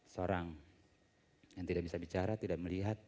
seorang yang tidak bisa bicara tidak melihat